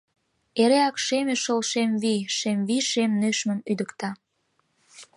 Эреак шеме шол шем вий, Шем вий шем нӧшмым ӱдыкта.